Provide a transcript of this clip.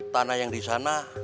tanah yang di sana